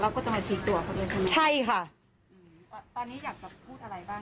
ก็จะมาชี้ตัวเขาเองใช่ไหมใช่ค่ะอืมตอนนี้อยากจะพูดอะไรบ้าง